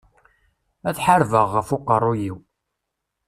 Ad ḥarbeɣ ɣef uqerru-iw.